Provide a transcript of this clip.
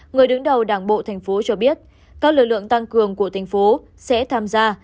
người đứng đầu đảng bộ tp hcm cho biết các lực lượng tăng cường của tp hcm sẽ tham gia